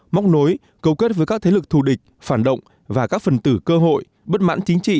móc nối cấu kết với các thế lực thù địch phản động và các phần tử cơ hội bất mãn chính trị